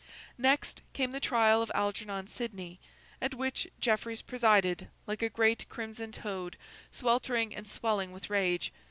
Next, came the trial of Algernon Sidney, at which Jeffreys presided, like a great crimson toad, sweltering and swelling with rage.